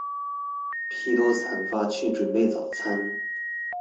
批頭散髮去準備早餐